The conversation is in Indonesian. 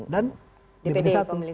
dan dpd pemilis harus